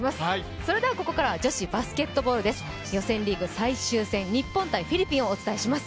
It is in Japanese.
ここからは女子バスケットボールです、予選リーグ最終戦、日本×フィリピンをお伝えします。